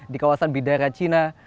di kawasan bidara cina